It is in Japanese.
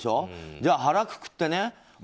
じゃあ、腹くくってね。